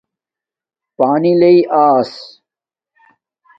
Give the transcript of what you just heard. پانی لݵ ایس